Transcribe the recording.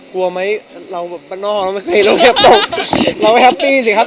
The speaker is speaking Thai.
กลัวไหมเราแบบปะน่อเราไม่เคยรู้เราไม่แฮปปี้สิครับ